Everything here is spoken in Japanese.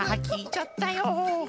きいちゃったよ。